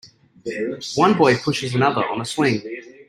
One boy pushes another on a swing.